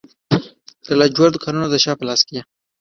د لاجوردو کانونه د چا په لاس کې دي؟